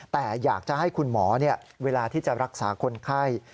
แต่อยากจะให้คุณหมอเวลาที่จะรักษาคนไข้